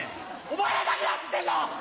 お前らだけや知ってんの‼